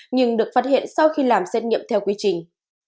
nhưng được phát hiện sau khi làm xét nghiệm theo quy trình